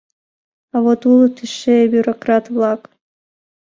— А вот улыт эше бюрократ-влак!